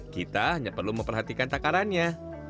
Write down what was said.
kita hanya perlu memperhatikan takarannya